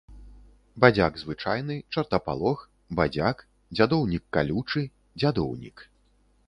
Бадзяк звычайны, чартапалох, бадзяк, дзядоўнік калючы, дзядоўнік.